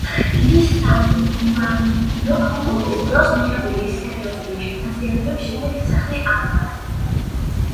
დიდი სამამულო ომის დროს მიღებული სერიოზული დაზიანების შემდეგ სახლი აღდგა.